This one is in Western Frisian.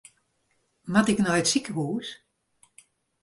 Moat ik nei it sikehûs?